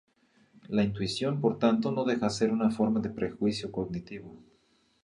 La intuición por tanto no deja ser una forma de prejuicio cognitivo.